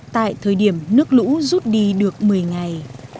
tại thời điểm nước lũ rút đi được một mươi ngày